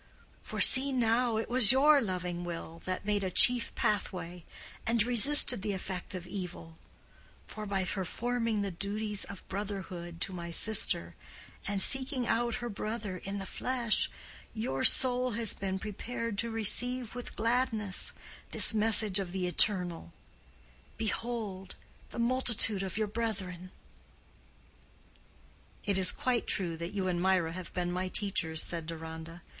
For see, now, it was your loving will that made a chief pathway, and resisted the effect of evil; for, by performing the duties of brotherhood to my sister, and seeking out her brother in the flesh, your soul has been prepared to receive with gladness this message of the Eternal, 'behold the multitude of your brethren.'" "It is quite true that you and Mirah have been my teachers," said Deronda.